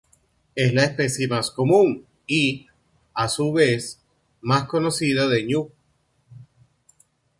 Es la especie más común y, a su vez, más conocida de ñu.